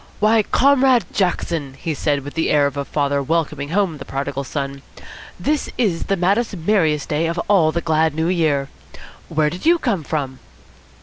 "Why, Comrade Jackson," he said, with the air of a father welcoming home the prodigal son, "this is the maddest, merriest day of all the glad New Year. Where did you come from?"